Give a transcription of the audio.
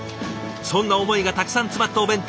そんな思いがたくさん詰まったお弁当。